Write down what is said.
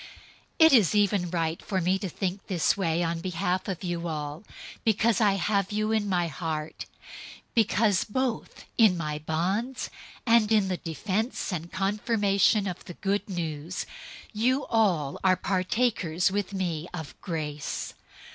001:007 It is even right for me to think this way on behalf of all of you, because I have you in my heart, because, both in my bonds and in the defense and confirmation of the Good News, you all are partakers with me of grace.